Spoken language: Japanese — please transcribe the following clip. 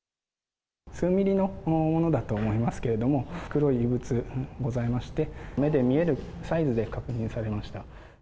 数ミリのものだと思いますけれども、黒い異物がございまして、目で見えるサイズで確認されました。